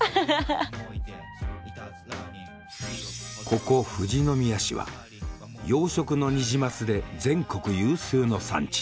ここ富士宮市は養殖のニジマスで全国有数の産地。